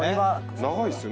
長いっすよ。